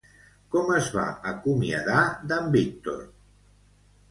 Com es va acomiadar d'en Víctor?